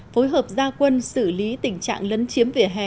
phối hợp gia quân xử lý tình trạng lấn chiếm vỉa hè